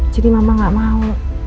jadi mama gak mau